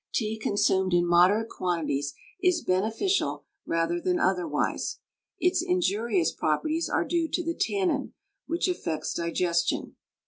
Tea consumed in moderate quantities is beneficial rather than otherwise. Its injurious properties are due to the tannin, which affects digestion.